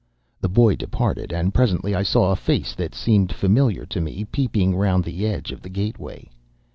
"The boy departed, and presently I saw a face that seemed familiar to me peeping round the edge of the gateway.